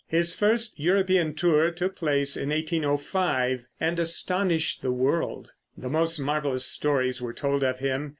His first European tour took place in 1805, and astonished the world. The most marvelous stories were told of him.